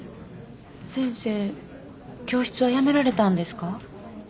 先生教室は辞められたんですか？